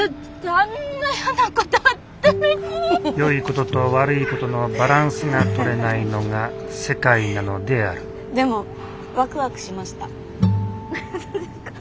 よいことと悪いことのバランスが取れないのが世界なのであるでもワクワクしました。